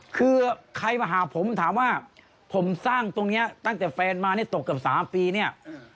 คือใครมาหาผมถามว่าผมสร้างตรงนี้ตั้งแต่แฟนมาเนี่ยตกเกือบ๓ปีเนี่ย